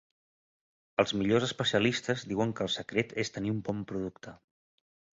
Els millors especialistes diuen que el secret és tenir un bon producte.